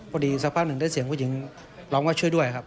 พอดีสักพักหนึ่งได้เสียงผู้หญิงร้องว่าช่วยด้วยครับ